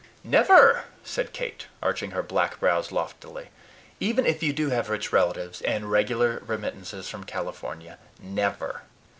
"Never!" said Kate, arching her black brows loftily, "even if you do have rich relatives, and regular remittances from California. Never!